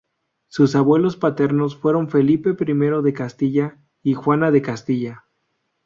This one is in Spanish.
Sus abuelos paternos fueron Felipe I de Castilla y Juana de Castilla.